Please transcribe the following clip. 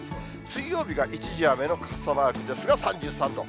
水曜日が一時雨の傘マークですが、３３度。